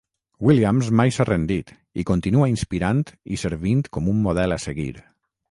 Williams mai s'ha rendit i continua inspirant i servint com un model a seguir.